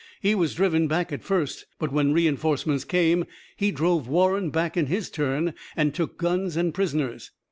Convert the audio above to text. He was driven back at first, but when reinforcements came he drove Warren back in his turn, and took guns and prisoners."